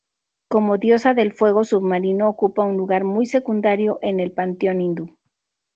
Como diosa del fuego submarino ocupa un lugar muy secundario en el panteón hindú.